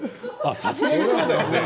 さすがにそうだよね。